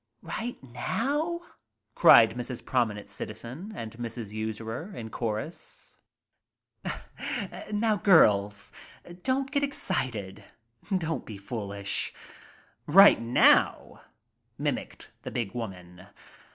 u ~ ni ~ x j now?" cried Mrs. Prominent Citizen and Mrs. Usurer, in chorus. "Now, girls, don't get excited, don't be foolish. 'Right now'," mimicked the big woman.